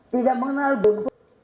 tidak mengenal bentuk